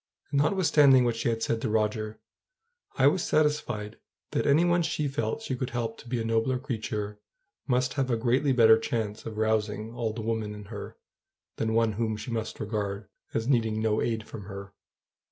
And, notwithstanding what she had said to Roger, I was satisfied that any one she felt she could help to be a nobler creature; must have a greatly better chance of rousing all the woman in her; than one whom she must regard as needing no aid from her.